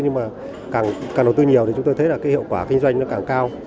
nhưng mà càng đầu tư nhiều thì chúng tôi thấy hiệu quả kinh doanh càng cao